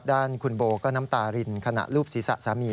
ด้านคุณโบก็น้ำตารินขณะรูปศีรษะสามี